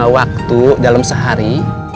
waktu dalam sehari